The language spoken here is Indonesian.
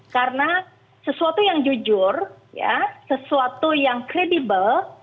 karena sesuatu yang jujur ya sesuatu yang credible